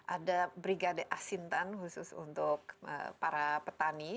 ada brigade asintan khusus untuk para petani